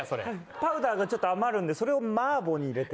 パウダーがちょっとあまるんでそれをマーボーに入れて。